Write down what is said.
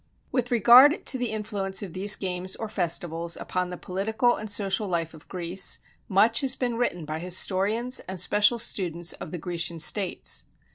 With regard to the influence of these games or festivals upon the political and social life of Greece, much has been written by historians and special students of the Grecian states.